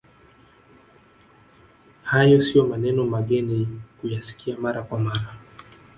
Hayo sio maneno mageni kuyasikia mara kwa mara